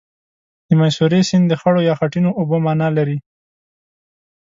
د میسوری سیند د خړو یا خټینو اوبو معنا لري.